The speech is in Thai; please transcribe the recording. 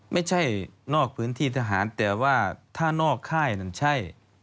นอกพื้นที่ทหารแต่ว่าถ้านอกค่ายนั้นใช่